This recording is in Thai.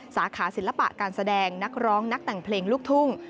สาขาศิลปะการแสดงนักร้องนักแต่งเพลงลูกทุ่ง